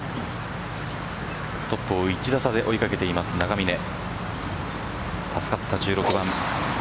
トップを１打差で追い掛けています永峰助かった１６番。